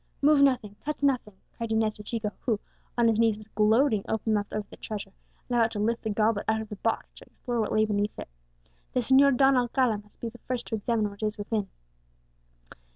"Move nothing touch nothing!" cried Inez to Chico, who, on his knees, was gloating open mouthed over the treasure, and about to lift the goblet out of the box to explore what lay beneath it. "The Señor Don Alcala must be the first to examine what is within."